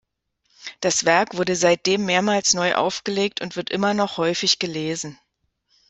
Das Werk wurde seitdem mehrmals neu aufgelegt und wird immer noch häufig gelesen.